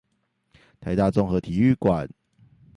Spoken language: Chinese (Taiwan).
台大綜合體育館